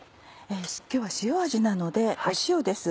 今日は塩味なので塩です。